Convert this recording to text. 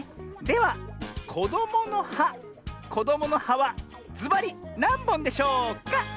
ではこどもの「は」こどもの「は」はずばりなんぼんでしょうか？